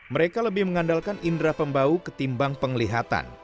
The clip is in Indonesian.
mereka lebih mengandalkan indera pembau ketimbang penglihatan